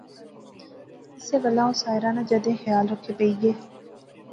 اسے گلاہ او ساحرہ ناں جادے خیال رکھے پئی گے